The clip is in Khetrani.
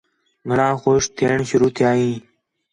گھݨاں خوش تھئین شروع تِھیا ہے